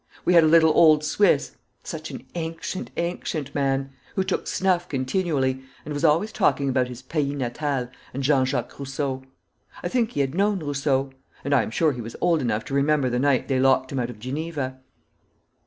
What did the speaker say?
"We had a little old Swiss such an ancient, ancient man who took snuff continually, and was always talking about his pays natal and Jean Jacques Rousseau. I think he had known Rousseau; and I am sure he was old enough to remember the night they locked him out of Geneva."